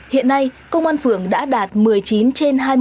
hiện nay công an phường đã đạt một mươi chín trên hai mươi